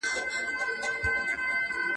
د کښتۍ د چلولو پهلوان یې.